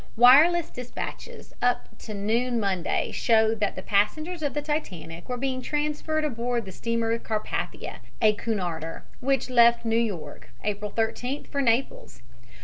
Wireless despatches up to noon Monday showed that the passengers of the Titanic were being transferred aboard the steamer Carpathia, a Cunarder, which left New York, April 13th, for Naples.